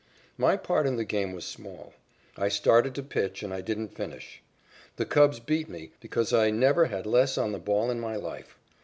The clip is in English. My part in the game was small. I started to pitch and I didn't finish. The Cubs beat me because I never had less on the ball in my life.